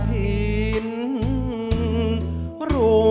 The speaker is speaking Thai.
ขอบคุณครับ